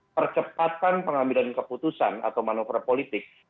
percepatan pengambilan keputusan atau manuver politik